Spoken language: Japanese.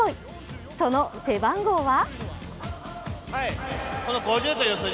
その背番号は？